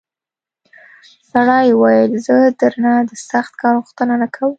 سړي وویل زه درنه د سخت کار غوښتنه نه کوم.